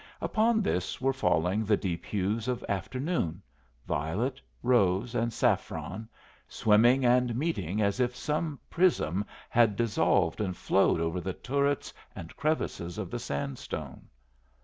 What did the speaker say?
Upon this were falling the deep hues of afternoon violet, rose, and saffron, swimming and meeting as if some prism had dissolved and flowed over the turrets and crevices of the sandstone.